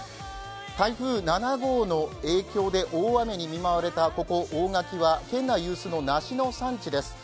台風７号の影響で大雨に見舞われたここ、大垣は県内有数の梨の産地です。